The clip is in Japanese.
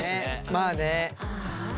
まあね。